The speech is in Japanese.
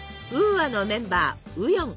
ａｈ！のメンバーウヨン。